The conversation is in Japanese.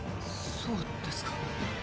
そうですか。